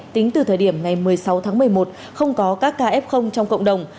tính từ thời điểm ngày một mươi sáu tháng một mươi một không có các kf trong cộng đồng